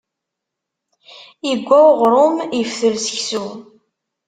Iggwa uɣṛum, iftel seksu.